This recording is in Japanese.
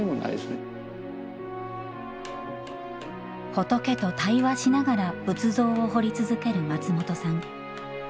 仏と対話しながら仏像を彫り続ける松本さん。